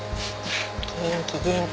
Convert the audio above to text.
元気元気！